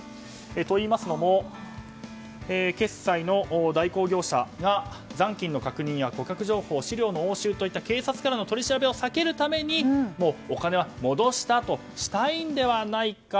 といいますのも決済の代行業者が残金の確認や顧客情報といった警察の取り調べを避けるためにお金は戻したとしたいのではないか。